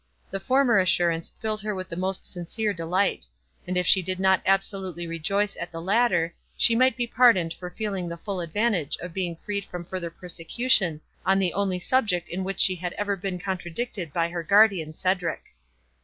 The former assurance filled her with the most sincere delight; and if she did not absolutely rejoice at the latter, she might be pardoned for feeling the full advantage of being freed from further persecution on the only subject in which she had ever been contradicted by her guardian Cedric.